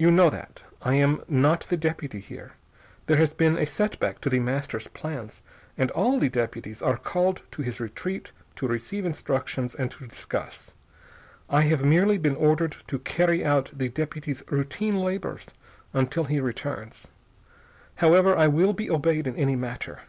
You know that. I am not the deputy here. There has been a set back to The Master's plans and all the deputies are called to his retreat to receive instructions and to discuss. I have merely been ordered to carry out the deputy's routine labors until he returns. However, I will be obeyed in any matter.